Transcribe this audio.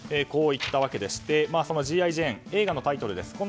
こういったわけでして「Ｇ．Ｉ．ジェーン」映画のタイトルです。